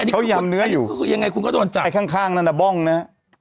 เขายำเนื้ออยู่ยังไงคุณก็โดนจับไอ้ข้างข้างนั้นน่ะบ้องน่ะ